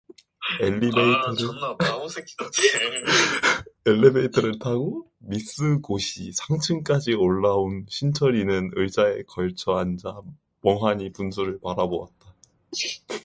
엘리베이터를 타고 미쓰고시 상층까지 올라온 신철이는 의자에 걸어앉아 멍하니 분수를 바라보았다.